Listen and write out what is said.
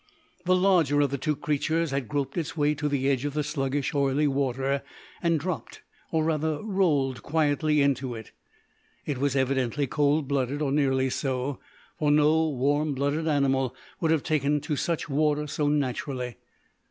The larger of the two creatures had groped its way to the edge of the sluggish, oily water and dropped, or rather rolled, quietly into it. It was evidently cold blooded, or nearly so, for no warm blooded animal would have taken to such water so naturally.